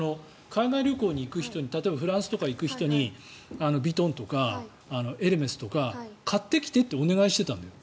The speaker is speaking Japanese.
海外旅行に行く人例えば、フランスに行く人にヴィトンとかエルメスとか買ってきてってお願いしてたんだよ。